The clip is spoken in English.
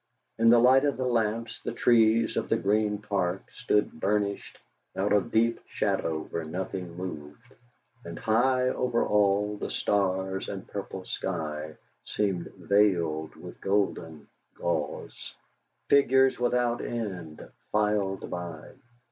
In the light of the lamps the trees of the Green Park stood burnished out of deep shadow where nothing moved; and high over all, the stars and purple sky seemed veiled with golden gauze. Figures without end filed by.